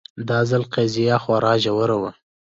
دا ځل قضیه خورا ژوره وه